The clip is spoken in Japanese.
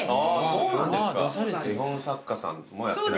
そうなんです。